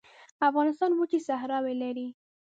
افغانستان وچې صحراوې لري